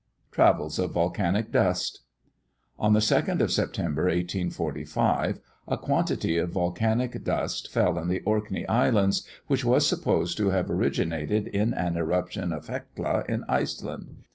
TRAVELS OF VOLCANIC DUST. On the 2nd of September, 1845, a quantity of volcanic dust fell in the Orkney Islands, which was supposed to have originated in an eruption of Hecla in Iceland.